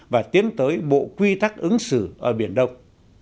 và tiến tới bộ quy tắc ứng xử ở biển đông